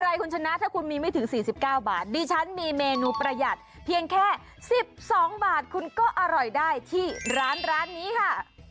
คุณชนะถ้าคุณมีไม่ถึง๔๙บาทดิฉันมีเมนูประหยัดเพียงแค่๑๒บาทคุณก็อร่อยได้ที่ร้านร้านนี้ค่ะ